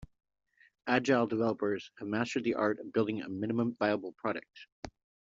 Agile developers have mastered the art of building a minimum viable product.